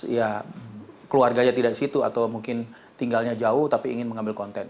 ya keluarganya tidak di situ atau mungkin tinggalnya jauh tapi ingin mengambil konten